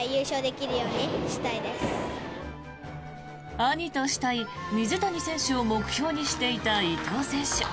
兄と慕い、水谷選手を目標にしていた伊藤選手。